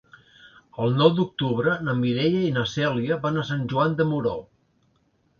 El nou d'octubre na Mireia i na Cèlia van a Sant Joan de Moró.